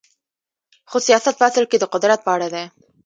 خو سیاست په اصل کې د قدرت په اړه دی.